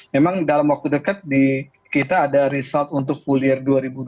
memang dalam waktu dekat kita ada result untuk full year dua ribu dua puluh